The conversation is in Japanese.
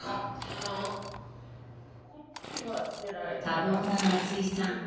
多忙な夏井さん。